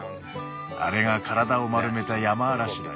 あれが体を丸めたヤマアラシだよ。